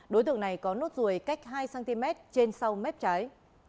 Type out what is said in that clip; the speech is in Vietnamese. đối tượng này có nốt ruồi cách hai cm trên sau mép trái